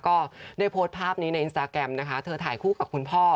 ก็ได้โพสต์ภาพนี้ในอินสตาแกรมนะคะเธอถ่ายคู่กับคุณพ่อ